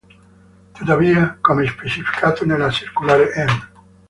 Tuttavia, come specificato nella circolare n.